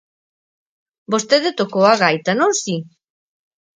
Vostede tocou a gaita, non si?